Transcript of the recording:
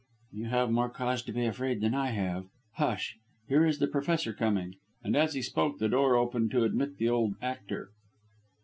"You have more cause to be afraid than I have. Hush! Here is the Professor coming," and as he spoke the door opened to admit the old actor.